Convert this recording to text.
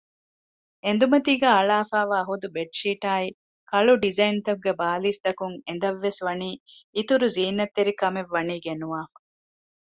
އެނދުމަތީގައި އަޅާފައިވާ ހުދު ބެޑްޝީޓާއި ކަޅު ޑިޒައިންތަކުގެ ބާލީސް ތަކުން އެނދަށްވެސް ވަނީ އިތުރު ޒީނަތްތެރިކަމެއްވަނީ ގެނުވާފަ